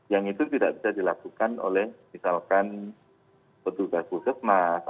yang itu tidak bisa dilakukan oleh misalkan petugas puskesmas